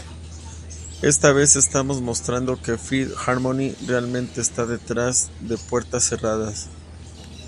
Esta vez, estamos mostrando que Fifth Harmony realmente está detrás de puertas cerradas.